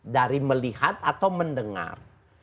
dari melihat atau mendengar